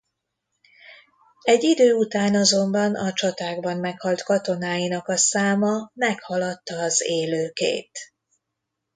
Egy idő után azonban a csatákban meghalt katonáinak a száma meghaladta az élőkét.